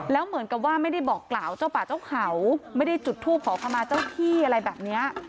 แล้วเหมือนกับว่าไม่ได้บอกกล่าวเจ้าป่าเจ้าเขาไม่ได้จุดทูปขอขมาเจ้าที่อะไรแบบนี้